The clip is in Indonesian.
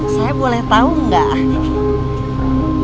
saya boleh tau gak